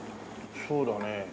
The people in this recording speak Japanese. そうだね。